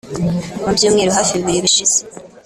Mu byumweru hafi bibiri bishize